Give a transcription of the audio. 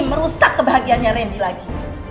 merusak kebahagiaannya reddy lagi